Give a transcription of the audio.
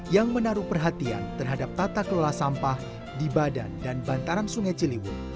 yang menaruh perhatian terhadap tata kelola sampah di badan dan bantaran sungai ciliwung